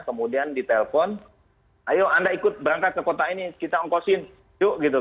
kemudian ditelepon ayo anda ikut berangkat ke kota ini kita ongkosin yuk gitu